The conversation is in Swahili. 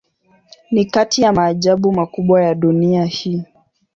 Ni kati ya maajabu makubwa ya dunia hii.